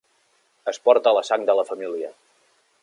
Es porta a la sang de la família.